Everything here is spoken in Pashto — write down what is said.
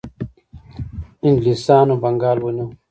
انګلیسانو بنګال ونیو.